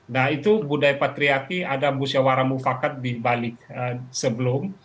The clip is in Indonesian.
nah itu budaya patriaki ada musyawarah mufakat di balik sebelum